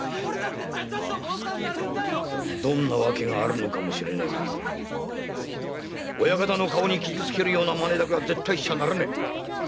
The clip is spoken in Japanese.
まあどんな訳があるのか知れねえが親方の顔に傷つけるようなまねは絶対にしちゃならねえ！